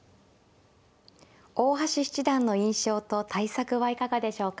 大橋七段の印象と対策はいかがでしょうか。